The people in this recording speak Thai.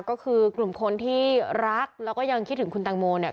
ก็คือกลุ่มคนที่รักแล้วก็ยังคิดถึงคุณตังโมเนี่ย